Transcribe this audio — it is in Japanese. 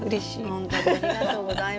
ほんとにありがとうございます。